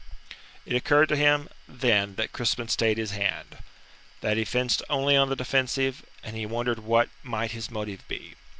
It occurred to him then that Crispin stayed his hand. That he fenced only on the defensive, and he wondered what might his motive be.